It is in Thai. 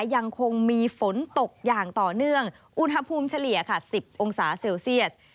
ยังคงมีฝนตกอย่างต่อเนื่องอุณหภูมิเฉลี่ยค่ะ๑๐องศาเซลเซียส